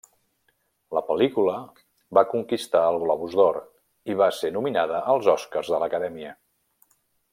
La pel·lícula va conquistar el Globus d'Or i va ser nominada als Oscar de l'Acadèmia.